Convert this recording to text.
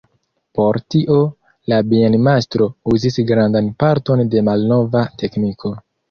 Por tio la bienmastro uzis grandan parton de malnova tekniko.